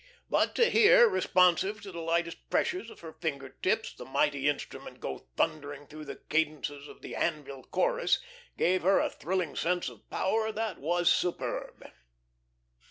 But to hear, responsive to the lightest pressures of her finger tips, the mighty instrument go thundering through the cadences of the "Anvil Chorus" gave her a thrilling sense of power that was superb.